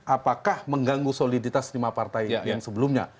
apakah mengganggu soliditas lima partai yang sebelumnya